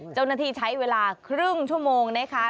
เจ้าหน้าที่ใช้เวลาครึ่งชั่วโมงนะคะ